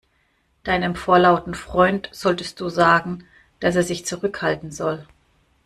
Deinem vorlauten Freund solltest du sagen, dass er sich zurückhalten soll.